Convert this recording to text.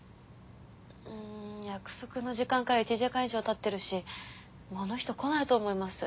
うん約束の時間から１時間以上経ってるしもうあの人来ないと思います。